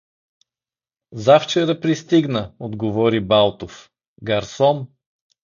— Завчера пристигна — отговори Балтов… — Гарсон!